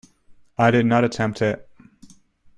I did not attempt it.